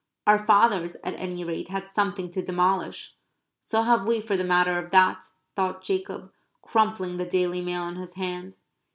Our fathers at any rate had something to demolish. So have we for the matter of that, thought Jacob, crumpling the Daily Mail in his hand.